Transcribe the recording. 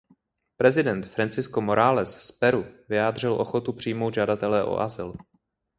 Prezident Francisco Morales z Peru vyjádřil ochotu přijmout žadatele o azyl.